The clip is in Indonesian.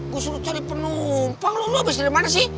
gue suruh cari penumpang lomba abis dari mana sih